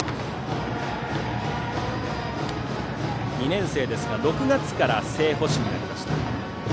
２年生ですが６月から正捕手になりました。